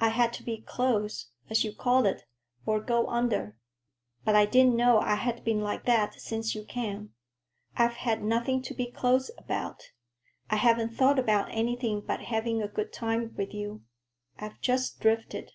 "I had to be close, as you call it, or go under. But I didn't know I had been like that since you came. I've had nothing to be close about. I haven't thought about anything but having a good time with you. I've just drifted."